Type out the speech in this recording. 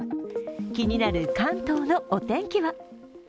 気になる関東のお天気は？